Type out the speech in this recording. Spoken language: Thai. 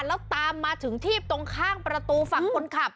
แล้วตามมาถึงที่ตรงข้างประตูฝั่งคนขับ